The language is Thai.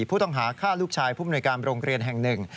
ผู้ต้องหาฆ่าลูกชายผู้มนวยการโรงเรียนแห่งหนึ่ง